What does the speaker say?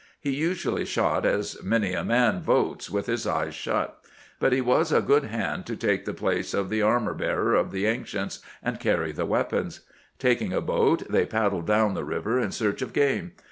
He usually shot as many a man votes, with his eyes shut. But he was a good hand to take the place of the armor bearer of the ancients, and carry the weapons. Taking a boat, they paddled down the river in search of game.